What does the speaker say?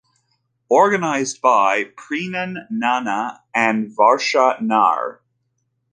Organised by: Preenun Nana and Varsha Nair.